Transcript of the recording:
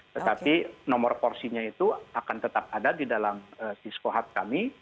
tetapi nomor porsinya itu akan tetap ada di dalam diskohat kami